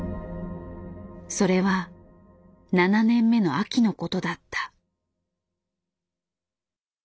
それは７年目の秋のことだった。